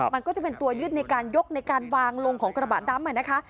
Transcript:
มันก็จะเป็นตัวยึดในการยกในการวางลงของกระบะดำนะคะ